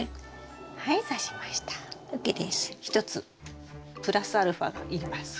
１つプラスアルファがいります。